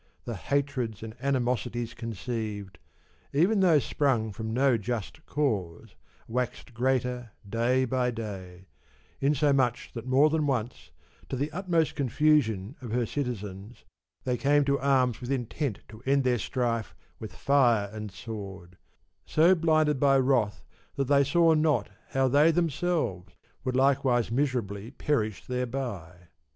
The hatreds and animosities conceived, even though sprung from no just cause, waxed greater day by day, in so much that more than once, to the utmost confusion of her citizens, they came to arms with intent to end their strife with fire and sword, so blinded by wrath that they saw not how they themselves would likewise miserably perish thereby.